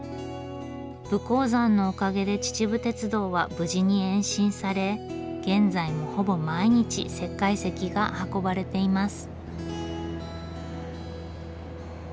武甲山のおかげで秩父鉄道は無事に延伸され現在もほぼ毎日石灰石が運ばれています。